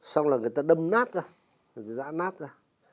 xong là người ta đâm nát ra giã nát ra